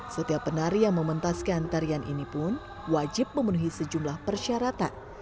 setiap penari yang mementaskan tarian ini pun wajib memenuhi sejumlah persyaratan